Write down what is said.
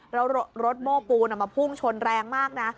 แล้วรถโม้ปูนมาพุ่งชนแรงมากนะ